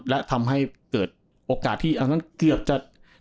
และทำให้เกิดโอกาสที่อันนั้นเกือบจะ